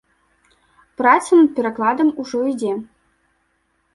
Праца над перакладам ужо ідзе.